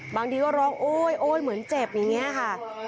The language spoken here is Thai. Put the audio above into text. บางทีก็ร้องโอ๊ยโอ๊ยเหมือนเจ็บอย่างนี้ค่ะ